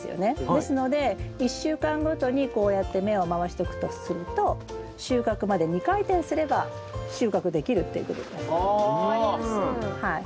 ですので１週間ごとにこうやって面を回していくとすると収穫まで２回転すれば収穫できるっていうことです。